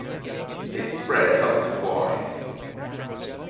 It spreads up to wide.